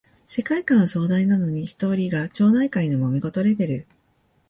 世界観は壮大なのにストーリーが町内会のもめ事レベル